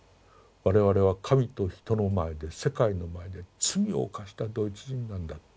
我々は神と人の前で世界の前で罪を犯したドイツ人なんだ。